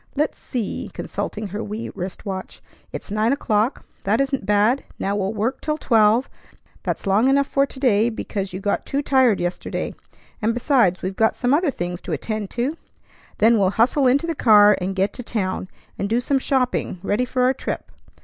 Let's see," consulting her wee wrist watch, "it's nine o'clock. That isn't bad. Now we'll work till twelve; that's long enough for to day, because you got too tired yesterday; and, besides, we've got some other things to attend to. Then we'll hustle into the car, and get to town, and do some shopping ready for our trip.